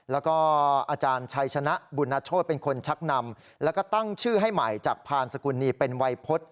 แล้วก็อาจารย์ชัยชนะบุญนโชธเป็นคนชักนำแล้วก็ตั้งชื่อให้ใหม่จากพานสกุลนีเป็นวัยพฤษ